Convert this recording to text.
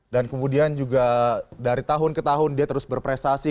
dan kemudian juga dari tahun ke tahun dia terus berprestasi